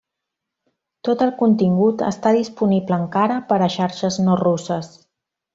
Tot el contingut està disponible encara per a xarxes no russes.